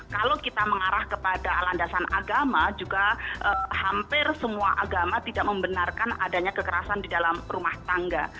kalau kita mengarah kepada landasan agama juga hampir semua agama tidak membenarkan adanya kekerasan di dalam rumah tangga